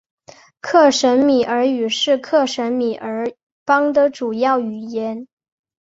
克什米尔语是克什米尔邦的主要语言。